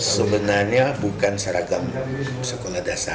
sebenarnya bukan seragam sekolah dasar